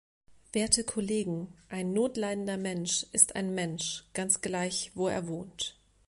Werte Kollegen, ein notleidender Mensch ist ein Mensch, ganz gleich, wo er wohnt.